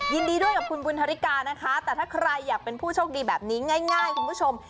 ยินดีด้วยกับคุณบุญธริกานะคะแต่ถ้าใครอยากเป็นผู้โชคดีแบบนี้ง่ายคุณผู้ชม